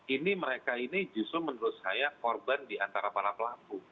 ini mereka ini justru menurut saya korban di antara para pelaku